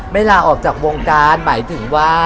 ลาออกจากวงการหมายถึงว่า